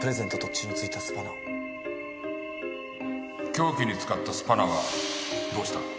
凶器に使ったスパナはどうした？